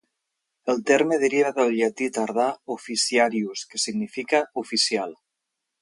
El terme deriva del llatí tardà "officiarius", que significa "oficial".